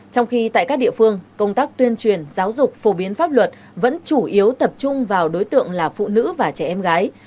trong khi tại các địa phương công tác tuyên truyền giáo dục phổ biến pháp luật vẫn chủ yếu tập trung vào đối tượng là phụ nữ và trẻ em gái